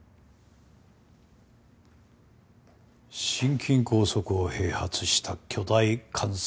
心筋梗塞を併発した巨大肝細胞がん。